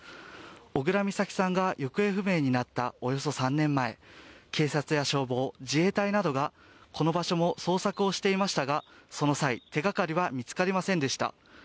小倉美咲さんが行方不明になったおよそ３年前、警察や消防、自衛隊などがこの場所も捜索をしていましたがその際、手がかりは見つかりませんでした。